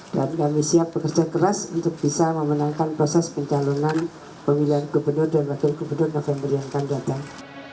dan kami siap bekerja keras untuk bisa memenangkan proses pencalonan pemilihan gubernur dan wakil gubernur november yang akan datang